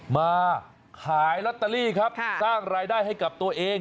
มาขายลอตเตอรี่ครับสร้างรายได้ให้กับตัวเอง